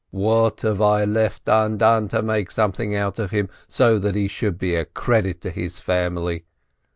What have I left undone to make something out of him, so that he should be a credit to his family